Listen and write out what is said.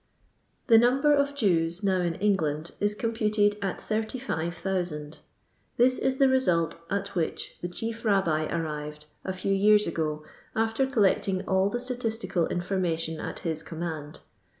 The number of Jews now in England is com puted at 85,000. This is the result at which the Chief Rabbi arrived a few years ago, after collect ing all the statistical information at his command.